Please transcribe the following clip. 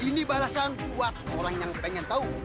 ini balasan buat orang yang pengen tahu